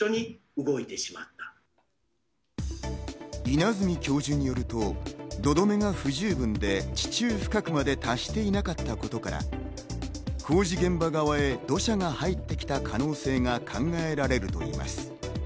稲積教授によると、土留めが不十分で地中深くまで達していなかったことから、工事現場側へ土砂が入ってきた可能性が考えられるといいます。